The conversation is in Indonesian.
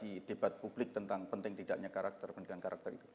ini adalah sebuah peribad public tentang penting tidaknya karakter pendidikan karakter itu